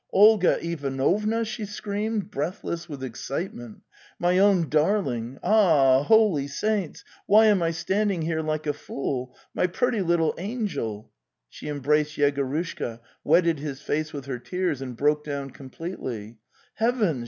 'Olga Ivanovna!"' she screamed, breathless with excitement. '' My own darling! Ah, holy saints, why am I standing here like a fool? My pretty little BUNNY 8 te NL) She embraced Yegorushka, wetted his face with her tears, and broke down completely. ' Eteavens!)